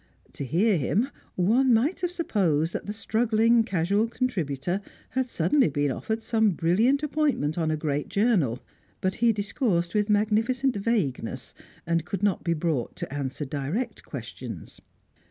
To hear him, one might have supposed that the struggling casual contributor had suddenly been offered some brilliant appointment on a great journal; but he discoursed with magnificent vagueness, and could not be brought to answer direct questions.